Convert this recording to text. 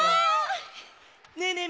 ねえねえ